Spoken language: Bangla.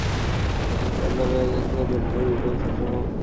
এ আন্দোলনে কেন্দ্রীয় শাসনের বিপরীতে স্বশাসন প্রতিষ্ঠার কথা বলা হয়।